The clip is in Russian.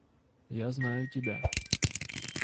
Я знаю тебя.